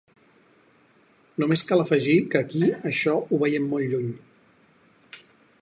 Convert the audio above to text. Només cal afegir que aquí això ho veiem molt lluny.